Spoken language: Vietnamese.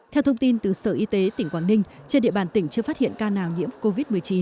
theo thông tin từ sở y tế tỉnh quảng ninh trên địa bàn tỉnh chưa phát hiện ca nào nhiễm covid một mươi chín